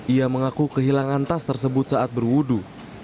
ia mengaku kehilangan tas tersebut saat berwudu